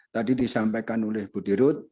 tadi disampaikan oleh bu dirut